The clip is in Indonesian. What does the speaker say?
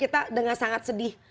kita dengar sangat sedih